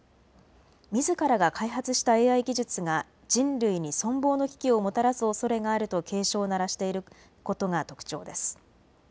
みずからが開発したＡＩ技術が人類に存亡の危機をもたらすおそれがあると警鐘を鳴らしていることが特徴です。